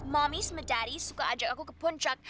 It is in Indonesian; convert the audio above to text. mami sama daddy suka ajak aku ke poncak